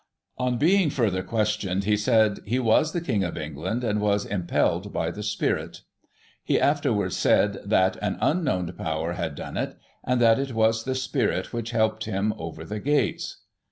On being further questioned, he said " he was the King of England, and was im pelled by the Spirit." He afterwards said that " an unknown power had done it," and that "it was the Spirit which helped him over the gates."